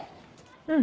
うん。